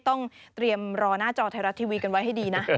ต้องเตรียมรอหน้าจอไทยรัฐทีวีกันไว้ให้ดีนะ